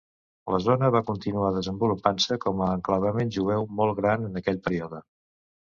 La zona va continuar desenvolupant-se com a enclavament jueu molt gran en aquell període.